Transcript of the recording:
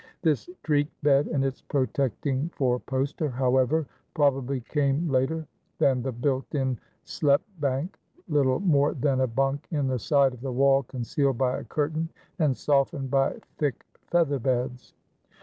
This treke bed and its protecting four poster, however, probably came later than the built in sloep bank, little more than a bunk in the side of the wall concealed by a curtain and softened by thick feather beds.